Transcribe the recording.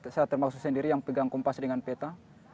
saya termasuk sendiri yang pegang kompas dengan peta